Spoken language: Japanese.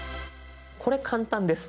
これ簡単です。